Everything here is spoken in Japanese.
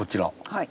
はい。